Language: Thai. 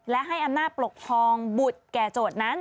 และให้อำนาจปกครองบุตรแก่โจทย์นั้น